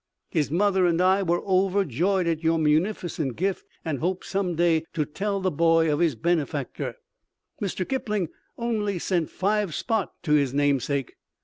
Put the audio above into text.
His mother and I were overjoyed at your munificant gift and hope some day to tell the boy of his beanefactor, Mr. Kipling only sent five spot to his namesake.